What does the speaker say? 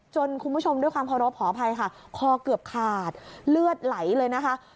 คุณผู้ชมด้วยความเคารพขออภัยค่ะคอเกือบขาดเลือดไหลเลยนะคะ